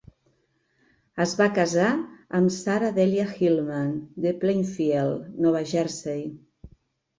Es va casar amb Sarah Delia Hilman de Plainfield, Nova Jersey.